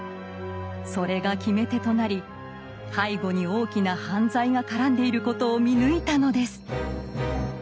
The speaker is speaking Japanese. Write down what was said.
それが決め手となり背後に大きな犯罪が絡んでいることを見抜いたのです。